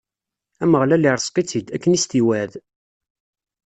Ameɣlal ireẓq-itt-id, akken i s-t-iwɛed.